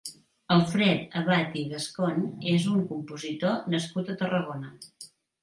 Alfred Abad i Gascon és un compositor nascut a Tarragona.